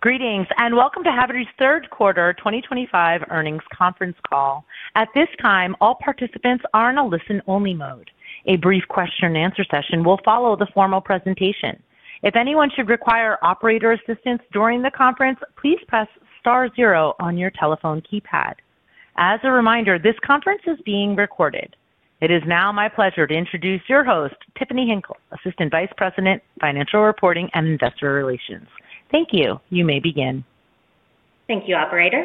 Greetings and welcome to Havertys third quarter 2025 earnings conference call. At this time, all participants are in a listen-only mode. A brief question and answer session will follow the formal presentation. If anyone should require operator assistance during the conference, please press star zero on your telephone keypad. As a reminder, this conference is being recorded. It is now my pleasure to introduce your host, Tiffany Hinkle, Assistant Vice President, Financial Reporting and Investor Relations. Thank you. You may begin. Thank you, Operator.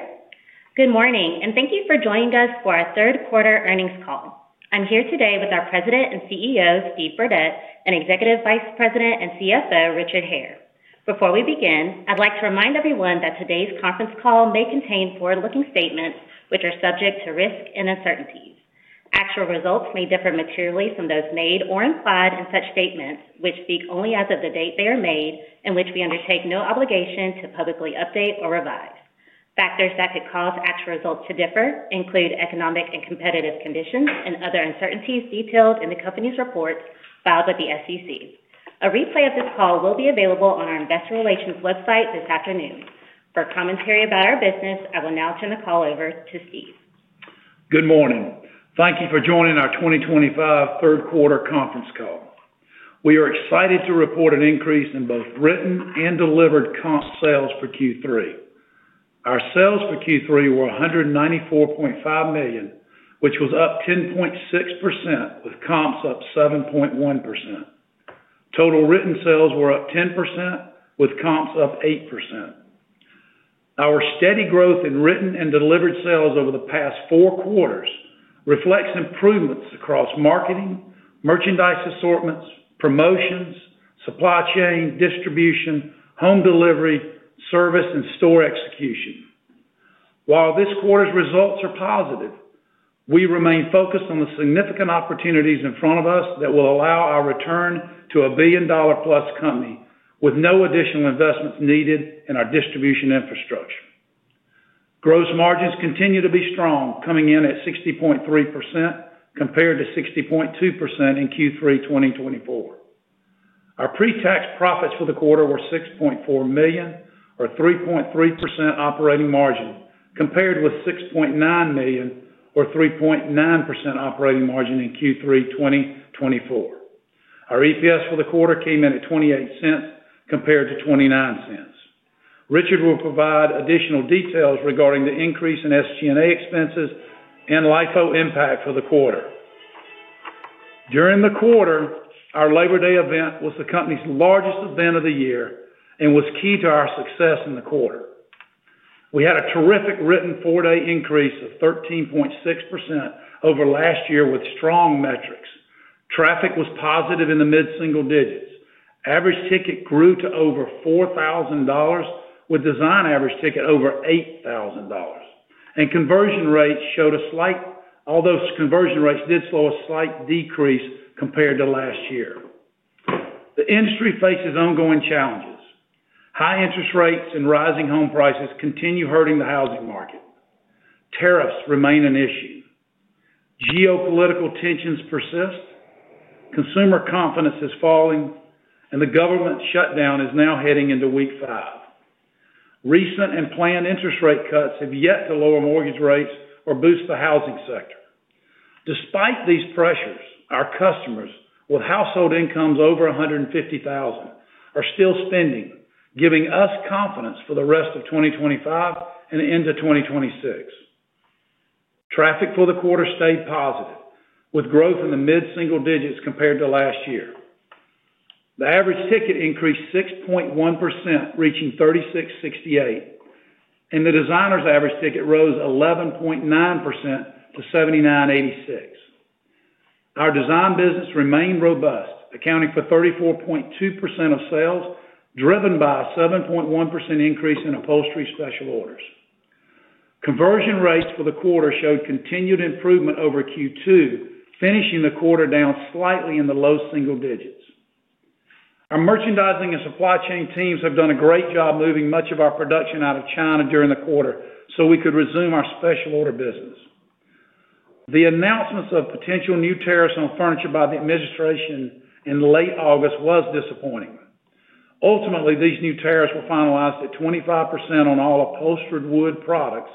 Good morning and thank you for joining us for our third quarter earnings call. I'm here today with our President and CEO Steve Burdette and Executive Vice President and CFO Richard Hare. Before we begin, I'd like to remind everyone that today's conference call may contain forward-looking statements which are subject to risks and uncertainties. Actual results may differ materially from those made or implied in such statements, which speak only as of the date they are made and which we undertake no obligation to publicly update or revise. Factors that could cause actual results to differ include economic and competitive conditions and other uncertainties detailed in the company's report filed with the SEC. A replay of this call will be available on our investor relations website this afternoon. For commentary about our business, I will now turn the call over to Steve. Good morning. Thank you for joining our 2025 third quarter conference call. We are excited to report an increase in both written and delivered comparable store sales for Q3. Our sales for Q3 were $194.5 million, which was up 10.6% with comparable store sales up 7.1%. Total written sales were up 10% with comparable store sales up 8%. Our steady growth in written and delivered sales over the past four quarters reflects improvements across marketing, merchandise assortments, promotions, supply chain distribution, home delivery service, and store execution. While this quarter's results are positive, we remain focused on the significant opportunities in front of us that will allow our return to a billion dollar plus company with no additional investments needed in our distribution infrastructure. Gross margin continues to be strong, coming in at 60.3% compared to 60.2% in Q3 2024. Our pre-tax profits for the quarter were $6.4 million or 3.3% operating margin compared with $6.9 million or 3.9% operating margin in Q3 2024. Our EPS for the quarter came in at $0.28 compared to $0.29. Richard will provide additional details regarding the increase in SG&A expenses and LIFO impact for the quarter. During the quarter, our Labor Day event was the company's largest event of the year and was key to our success in the quarter. We had a terrific written four day increase of 13.6% over last year with strong metrics. Traffic was positive in the mid single digits. Average ticket grew to over $4,000 with design average ticket over $8,000 and conversion rates showed a slight decrease compared to last year. The industry faces ongoing challenges. High interest rates and rising home prices continue hurting the housing market. Tariffs remain an issue, geopolitical tensions persist, consumer confidence is falling, and the government shutdown is now heading into week five. Recent and planned interest rate cuts have yet to lower mortgage rates or boost the housing sector. Despite these pressures, our customers with household incomes over $150,000 are still spending, giving us confidence for the rest of 2025 and into 2026. Traffic for the quarter stayed positive with growth in the mid single digits compared to last year. The average ticket increased 6.1% reaching $3,668 and the designer's average ticket rose 11.9% to $7,986. Our design business remained robust, accounting for 34.2% of sales, driven by a 7.1% increase in special order upholstery. Conversion rates for the quarter showed continued improvement over Q2, finishing the quarter down slightly in the low single digits. Our merchandising and supply chain teams have done a great job moving much of our production out of China during the quarter so we could resume our special order business. The announcements of potential new tariffs on furniture by the administration in late August was disappointing. Ultimately, these new tariffs were finalized at 25% on all upholstered wood products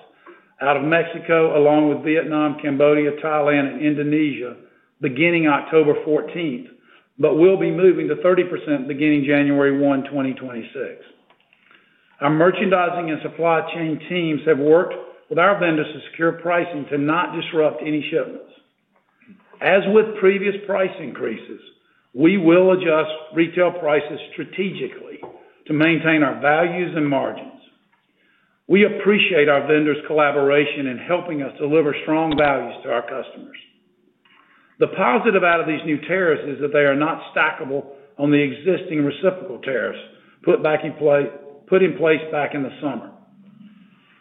out of Mexico along with Vietnam, Cambodia, Thailand, and Indonesia beginning October 14, but will be moving to 30% beginning January 1, 2026. Our merchandising and supply chain teams have worked with our vendors to secure pricing to not disrupt any shipments. As with previous price increases, we will adjust retail prices strategically to maintain our values and margins. We appreciate our vendors' collaboration in helping us deliver strong values to our customers. The positive out of these new tariffs is that they are not stackable on the existing reciprocal tariffs put in place back in the summer.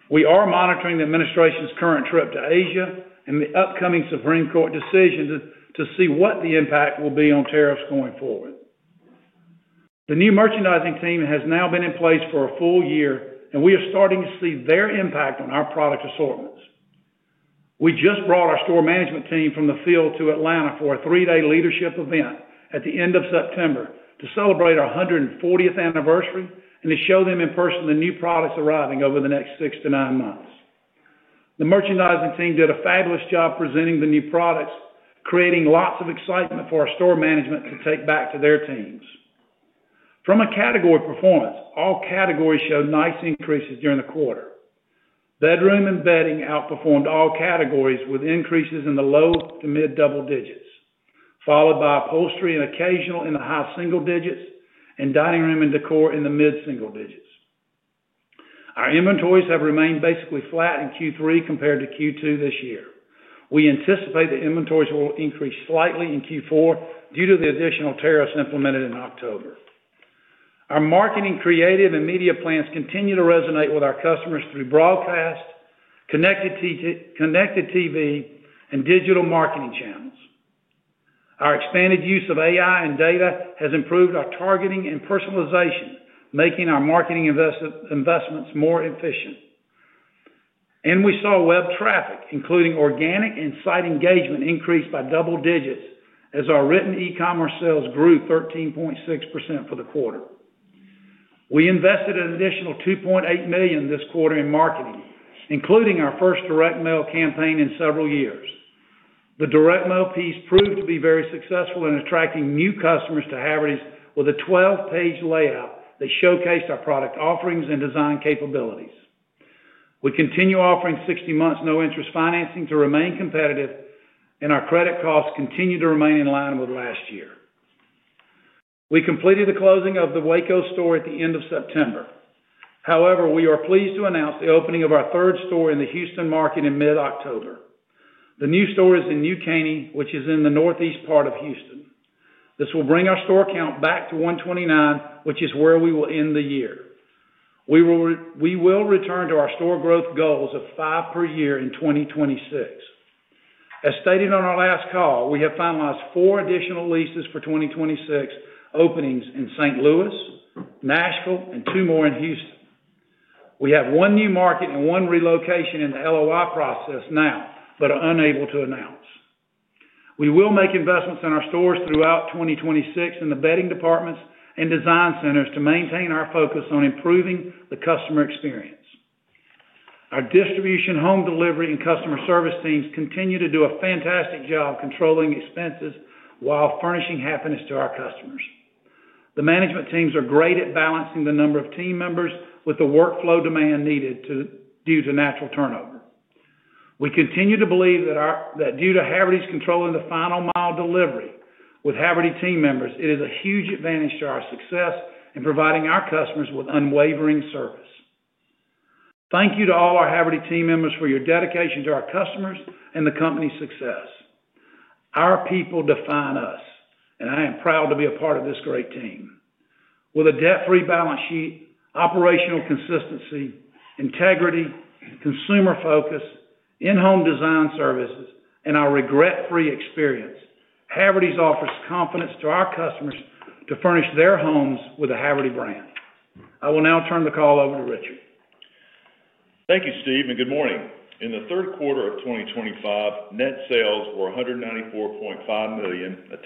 We are monitoring the administration's current trip to Asia and the upcoming Supreme Court decision to see what the impact will be on tariffs going forward. The new merchandising team has now been in place for a full year and we are starting to see their impact on our product assortments. We just brought our store management team from the field to Atlanta for a three-day leadership event at the end of September to celebrate our 140th anniversary and to show them in person the new products arriving over the next six to nine months. The merchandising team did a fabulous job presenting the new products, creating lots of excitement for our store management to take back to their teams. From a category performance, all categories showed nice increases during the quarter. Bedroom and bedding outperformed all categories with increases in the low to mid double digits, followed by upholstery and occasional in the high single digits, and dining room and decor in the mid single digits. Our inventories have remained basically flat in Q3 compared to Q2 this year. We anticipate the inventories will increase slightly in Q4 due to the additional tariffs implemented in October. Our marketing, creative, and media plans continue to resonate with our customers through broadcast, connected TV, and digital marketing channels. Our expanded use of AI and data analytics has improved our targeting and personalization, making our marketing investments more efficient, and we saw web traffic, including organic and site engagement, increase by double digits as our written e-commerce sales grew 13.6% for the quarter. We invested an additional $2.8 million this quarter in marketing, including our first direct mail campaign in several years. The direct mail piece proved to be very successful in attracting new customers to Havertys with a 12-page layout that showcased our product offerings and design capabilities. We continue offering 60 months no interest financing to remain competitive, and our credit costs continue to remain in line with last year. We completed the closing of the Waco store at the end of September. However, we are pleased to announce the opening of our third store in the Houston market in mid-October. The new store is in New Caney, which is in the northeast part of Houston. This will bring our store count back to 129, which is where we will end the year. We will return to our store growth goals of 5 per year in 2026. As stated on our last call, we have finalized four additional leases for 2026 openings in St. Louis, Nashville, and two more in Houston. We have one new market and one relocation in the LOI process now but are unable to announce. We will make investments in our stores throughout 2026 in the bedding departments and design centers to maintain our focus on improving the customer experience. Our distribution, home delivery, and customer service teams continue to do a fantastic job controlling expenses while furnishing happiness to our customers. The management teams are great at balancing the number of team members with the workflow demand needed due to natural turnover. We continue to believe that due to Havertys controlling the final mile delivery with Haverty team members, it is a huge advantage to our success in providing our customers with unwavering service. Thank you to all our Haverty team members for your dedication to our customers and the company's success. Our people define us, and I am proud to be a part of this great team. With a debt free balance sheet, operational consistency, integrity, consumer focus in home design services, and our regret free experience, Havertys offers confidence to our customers to furnish their homes with a Haverty brand. I will now turn the call over to Richard. Thank you Steve, and good morning. In the third quarter of 2025, net sales were $194.5 million, a 10.6%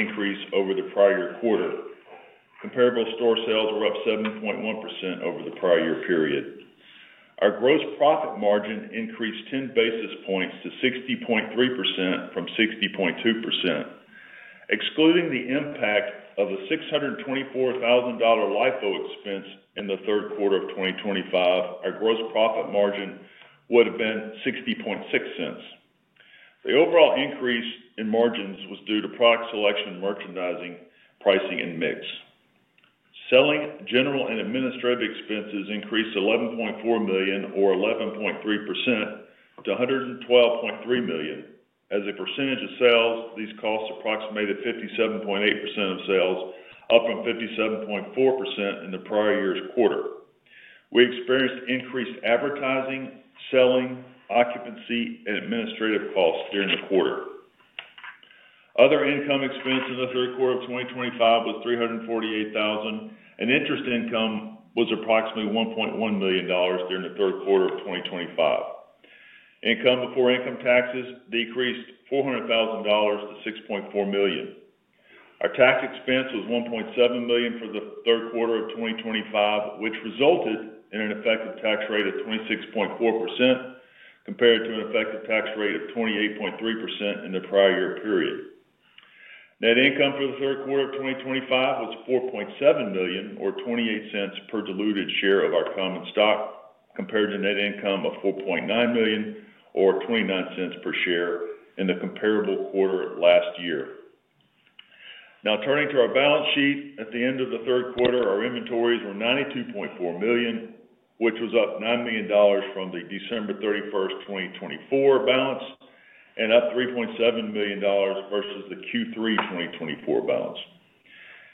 increase over the prior quarter. Comparable store sales were up 7.1% over the prior year period. Our gross profit margin increased 10 basis points to 60.3% from 60.2%. Excluding the impact of a $624,000 LIFO expense in the third quarter of 2025, our gross profit margin would have been 60.6%. The overall increase in margins was due to product selection, merchandising, pricing, and mix selling. Selling, general, and administrative expenses increased $11.4 million, or 11.3%, to $112.3 million. As a percentage of sales, these costs approximated 57.8% of sales, up from 57.4% in the prior year's quarter. We experienced increased advertising, selling, occupancy, and administrative costs during the quarter. Other income expense in the third quarter of 2025 was $348,000 and interest income was approximately $1.1 million. During the third quarter of 2025, income before income taxes decreased $400,000 to $6.4 million. Our tax expense was $1.7 million for the third quarter of 2025, which resulted in an effective tax rate of 26.4% compared to an effective tax rate of 28.3% in the prior year period. Net income for the third quarter of 2025 was $4.7 million, or $0.28 per diluted share of our common stock, compared to net income of $4.9 million, or $0.29 per share in the comparable quarter last year. Now turning to our balance sheet, at the end of the third quarter, our inventories were $92.4 million, which was up $9 million from the December 31st, 2024 balance and up $3.7 million versus the Q3 2024 balance.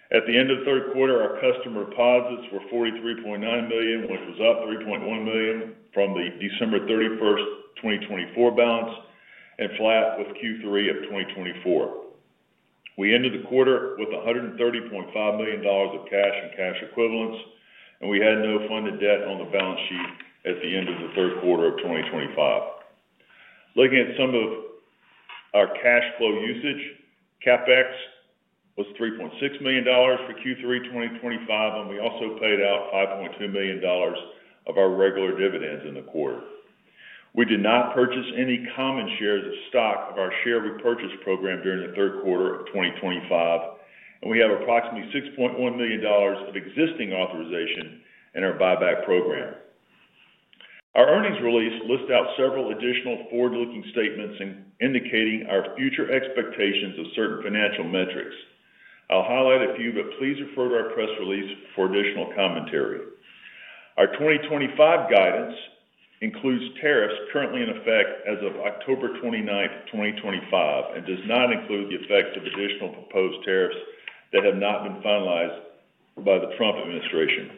At the end of the third quarter, our customer deposits were $43.9 million, which was up $3.1 million from the December 31st, 2024 balance and flat with Q3 of 2024. We ended the quarter with $130.5 million of cash and cash equivalents and we had no funded debt on the balance sheet at the end of the third quarter of 2025. Looking at some of our cash flow usage, CapEx was $3.6 million for Q3 2025 and we also paid out $5.2 million of our regular dividends in the quarter. We did not purchase any common shares of stock of our share repurchase program during the third quarter of 2025 and we have approximately $6.1 million of existing authorization in our buyback program. Our earnings release lists out several additional forward-looking statements indicating our future expectations of certain financial metrics. I'll highlight a few, but please refer to our press release for additional commentary. Our 2025 guidance includes tariffs currently in effect as of October 29th, 2025, and does not include the effect of additional imposed tariffs that have not been finalized by the Trump Administration.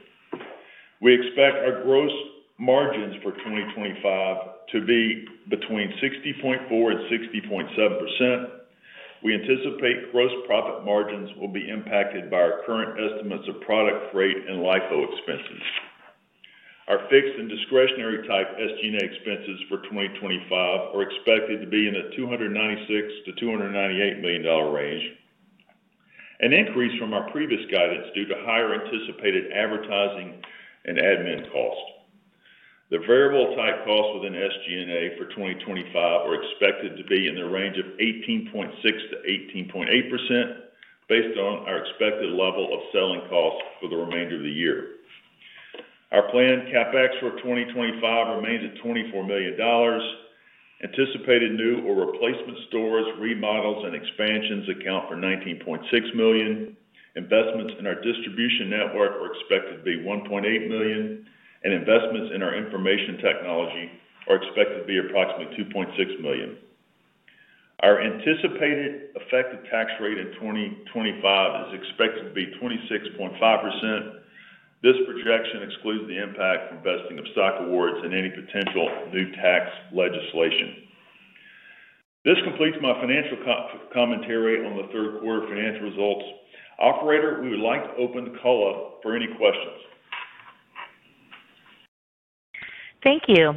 We expect our gross margins for 2025 to be between 60.4% and 60.7%. We anticipate gross profit margins will be impacted by our current estimates of product, freight, and LIFO expenses. Our fixed and discretionary type SG&A expenses for 2025 are expected to be in a $296 million-$298 million range, an increase from our previous guidance due to higher anticipated advertising and admin costs. The variable type costs within SG&A for 2025 are expected to be in the range of 18.6%-18.8%, based on our expected level of selling costs for the remainder of the year. Our planned CapEx for 2025 remains at $24 million, and anticipated new or replacement stores, remodels, and expansions account for $19.6 million. Investments in our distribution network are expected to be $1.8 million, and investments in our information technology are expected to be approximately $2.6 million. Our anticipated effective tax rate in 2025 is expected to be 26.5%. This projection excludes the impact from vesting of stock awards and any potential new tax legislation. This completes my financial commentary on the third quarter financial results. Operator, we would like to open the call up for any questions. Thank you.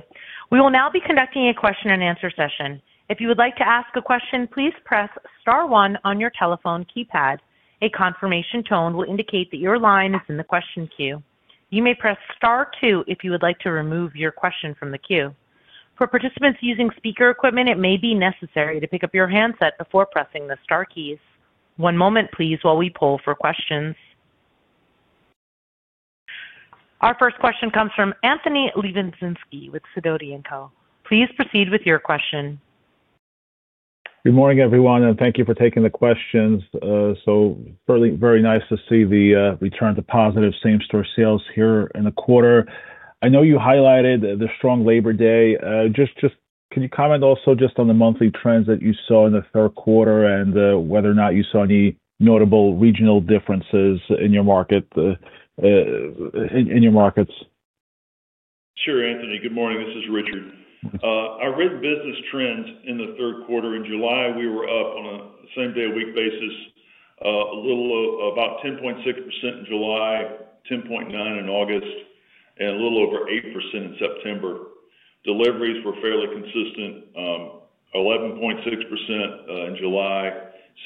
We will now be conducting a question and answer session. If you would like to ask a question, please press star one on your telephone keypad. A confirmation tone will indicate that your line is in the question queue. You may press star two if you would like to remove your question from the queue. For participants using speaker equipment, it may be necessary to pick up your handset before pressing the star keys. One moment, please, while we poll for questions. Our first question comes from Anthony Lebiedzinski with Sidoti & Company. Please proceed with your question. Good morning everyone, and thank you for taking the questions. Very nice to see the return to positive comparable store sales here in the quarter. I know you highlighted the strong Labor Day. Can you comment also on the monthly trends that you saw in the third quarter and whether or not you saw any notable regional differences in your market? In your markets? Sure. Anthony, good morning. This is Richard. Our written business trends in the third quarter, in July we were up on a same day, a week basis a little about 10.6% in July, 10.9% in August, a little over 8% in September. Deliveries were fairly consistent, 11.6% in July,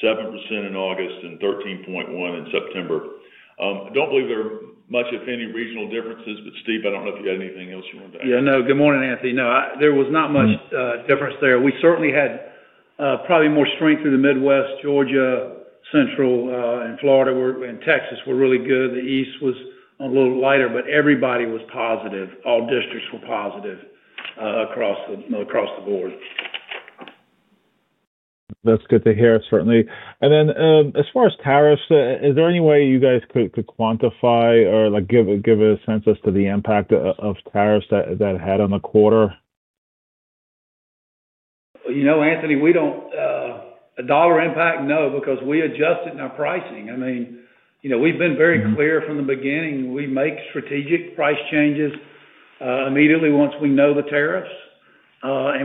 7% in August and 13.1% in September. I don't believe there are much if any regional differences. Steve, I don't know if you had anything else you wanted to add. Good morning, Anthony. No, there was not much difference there. We certainly had probably more strength through the Midwest, Georgia Central, and Florida and Texas were really good. The East was a little lighter, but everybody was positive. All districts were positive across the board. That's good to hear certainly. As far as tariffs, is there any way you guys could quantify or give a sense as to the impact of tariffs that had on the quarter? You know, Anthony, we don't have a dollar impact, no, because we adjusted our pricing. I mean, we've been very clear from the beginning we make strategic price changes immediately once we know the tariffs.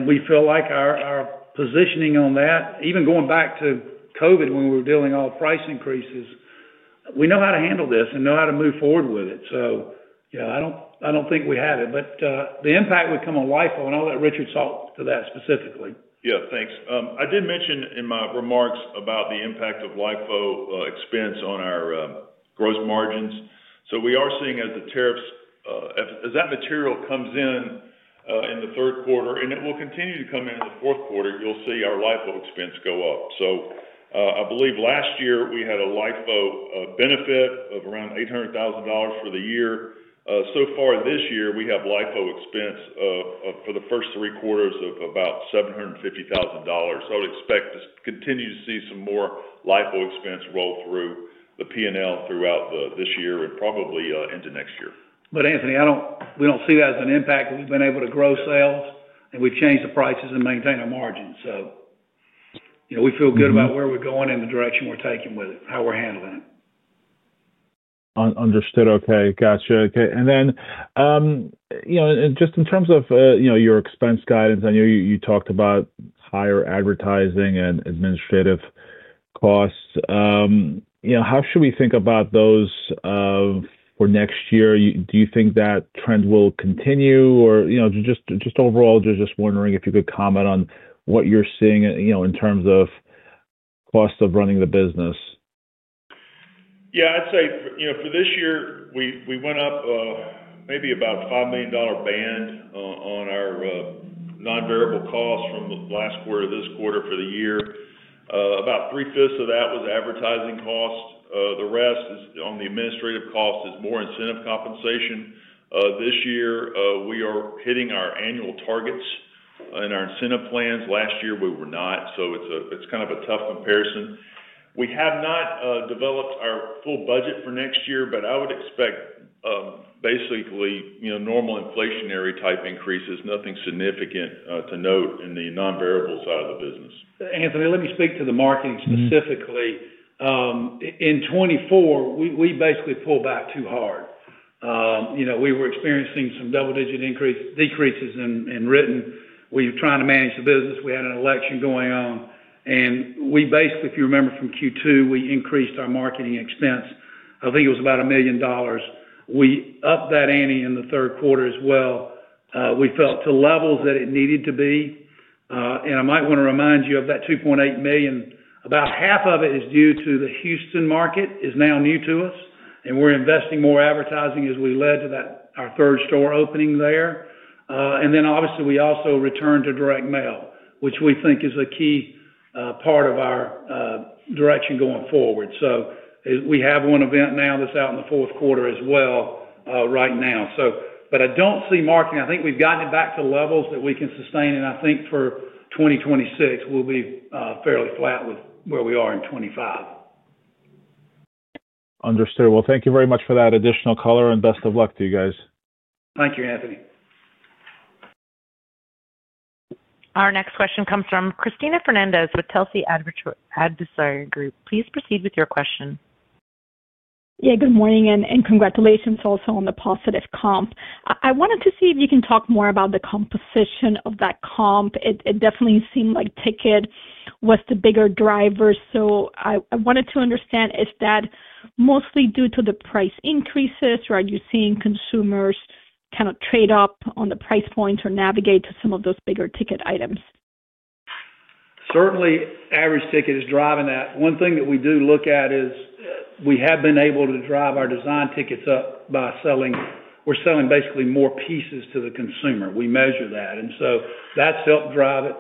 We feel like our positioning on that, even going back to COVID when we were dealing with all price increases, we know how to handle this and know how to move forward with it. I don't think we have it, but the impact would come on LIFO and I'll let Richard talk to that specifically. Yeah, thanks. I did mention in my remarks about the impact of LIFO expense on our gross margins. We are seeing as the tariffs, as that material comes in in the third quarter and it will continue to come in in the fourth quarter, you'll see our LIFO expense go up. I believe last year we had a LIFO benefit of around $800,000 for the year. So far this year we have LIFO expense for the first three quarters of about $750,000. I would expect to continue to see some more LIFO expense roll through the P&L throughout this year and probably into next year. Anthony, we don't see that as an impact. We've been able to grow sales, we've changed the prices, and maintain our margin. You know, we feel good about where we're going and the direction we're taking with it, how we're handling it. Understood. Okay, gotcha. In terms of your expense guidance, I know you talked about higher advertising and administrative costs. How should we think about those for next year? Do you think that trend will continue? Overall, just wondering if you could comment on what you're seeing in terms of cost of running the business. I'd say, you know, for this year we went up maybe about $5 million band on our non-variable costs from the last quarter. This quarter for the year, about 3/5 of that was advertising cost. The rest on the administrative cost is more incentive compensation. This year we are hitting our annual targets in our incentive plans. Last year we were not. It's kind of a tough comparison. We have not developed our full budget for next year, but I would expect basically normal inflationary type increases. Nothing significant to note in the non-variable side of the business. Anthony, let me speak to the marketing specifically. In 2024 we basically pulled back too hard. You know, we were experiencing some double-digit decreases in written. We were trying to manage the business. We had an election going on, and we basically, if you remember from Q2, we increased our marketing expense. I think it was about $1 million. We upped that ante in the third quarter as well. We felt to levels that it needed to be. I might want to remind you that $2.8 million, about half of it is due to the Houston market, is now new to us, and we're investing more advertising as we led to that, our third store opening there. Obviously, we also returned to direct mail, which we think is a key part of our direction going forward. We have one event now that's out in the fourth quarter as well right now. I don't see marketing, I think we've gotten it back to levels that we can sustain, and I think for 2026 we'll be fairly flat with where we are in 2025. Understood. Thank you very much for that additional color and best of luck to you guys. Thank you. Anthony. Our next question comes from Christina Fernandez with Telsey Adversary Group. Please proceed with your question. Good morning and congratulations also on the positive comp. I wanted to see if you can talk more about the composition of that comp. It definitely seemed like ticket was the bigger driver. I wanted to understand, is that mostly due to the price increases? Are you seeing consumers kind of trade up on the price point or navigate to some of those bigger ticket items? Certainly average ticket is driving that. One thing that we do look at is we have been able to drive our design tickets up by selling. We're selling basically more pieces to the consumer. We measure that, and that's helped drive it.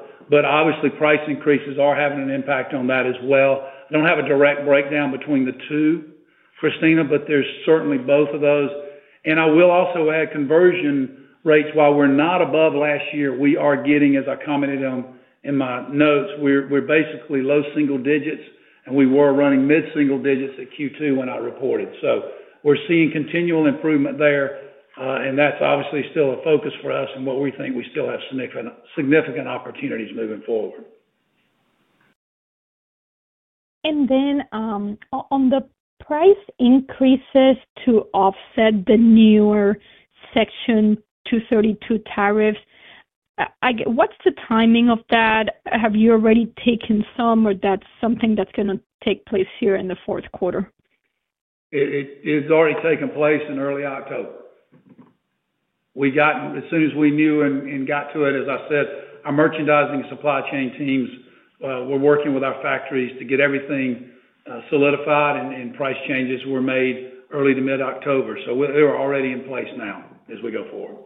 Obviously, price increases are having an impact on that as well. I don't have a direct breakdown between the two, Christina, but there's certainly both of those. I will also add conversion rates. While we're not above last year, we are getting, as I commented on in my notes, we're basically low single digits, and we were running mid single digits at Q2 when I reported. We're seeing continual improvement there. That's obviously still a focus for us and what we think we still have significant opportunities moving forward. On the price increases to offset the newer Section 232 tariffs, what's the timing of that? Have you already taken some, or is that something that's going to take place here in the fourth quarter? It’s already taken place in early October. We got as soon as we knew and got to it. As I said, our merchandising supply chain teams were working with our factories to get everything solidified, and price changes were made early to mid October. They were already in place now as we go forward.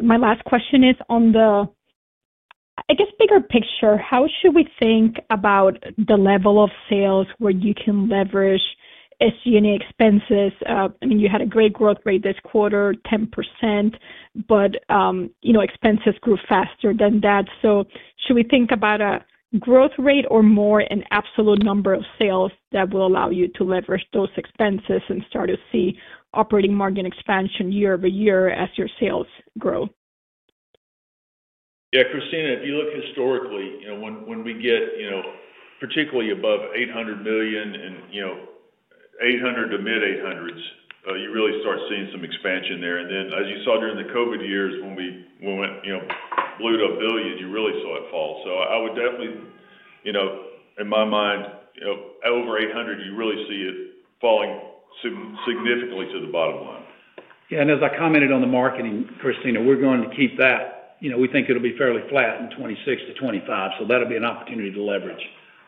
My last question is on the, I guess, bigger picture. How should we think about the level of sales where you can leverage SG&A expenses? I mean, you had a great growth rate this quarter, 10%, but expenses grew faster than that. Should we think about a growth rate or more an absolute number of sales that will allow you to leverage those expenses and start to see operating margin expansion year over year as your sales grow? Yeah, Christina, if you look historically, when we get particularly above $800 million and $800 million to mid $800 millions, you really start seeing some expansion there. As you saw during the COVID years when we blew to $1 billion, you really saw it fall. I would definitely, in my mind, over $800 million, you really see it falling significantly to the bottom line. As I commented on the marketing, Christina, we're going to keep that. We think it'll be fairly flat in 2026 to 2025, so that'll be an opportunity to leverage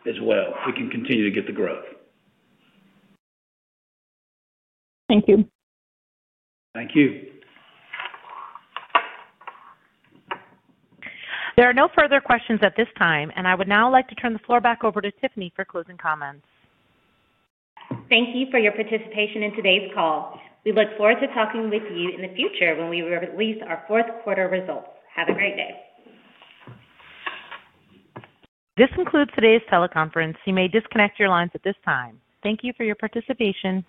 as well. We can continue to get the growth. Thank you. Thank you. There are no further questions at this time. I would now like to turn the floor back over to Tiffany for closing comments. Thank you for your participation in today's call. We look forward to talking with you in the future when we release our fourth quarter results. Have a great day. This concludes today's teleconference. You may disconnect your lines at this time. Thank you for your participation.